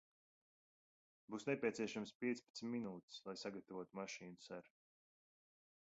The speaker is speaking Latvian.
Būs nepieciešamas piecpadsmit minūtes, lai sagatavotu mašīnu, ser.